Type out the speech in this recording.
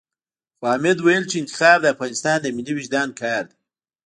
خو حامد ويل چې انتخاب د افغانستان د ملي وُجدان کار دی.